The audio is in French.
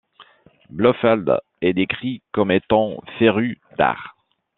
Blofeld est décrit comme étant féru d'art.